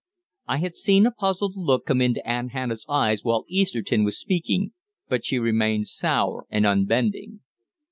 I had seen a puzzled look come into Aunt Hannah's eyes while Easterton was speaking, but she remained sour and unbending.